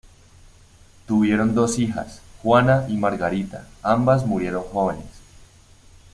Tuvieron dos hijas, Juana y Margarita, ambas murieron jóvenes.